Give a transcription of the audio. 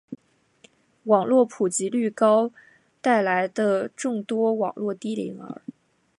网络普及率高带来的众多网络低龄儿